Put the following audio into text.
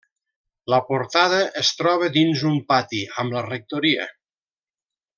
La portada es troba dins un pati, amb la rectoria.